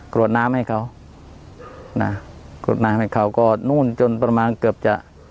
กรวดน้ำให้เขานะกรวดน้ำให้เขาก็นู่นจนประมาณเกือบจะ